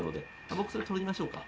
僕それ取りましょうか。